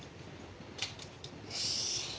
よし。